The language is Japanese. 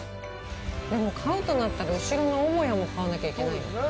でも、買うとなったら後ろの母屋も買わなきゃいけないのかな？